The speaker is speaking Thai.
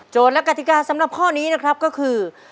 และกติกาสำหรับข้อนี้นะครับก็คือ